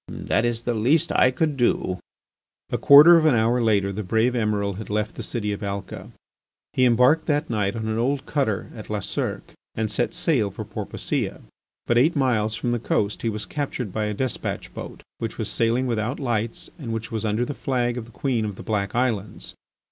"That is the least I could do." A quarter of an hour later the brave Emiral had left the city of Alca. He embarked at night on an old cutter at La Cirque and set sail for Porpoisia. But eight miles from the coast he was captured by a despatch boat which was sailing without lights and which was under, the flag of the Queen of the Black Islands.